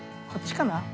こっちかな？